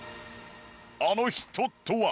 あの人とは。